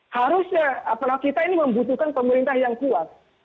harusnya kita ini membutuhkan pemerintah yang kuat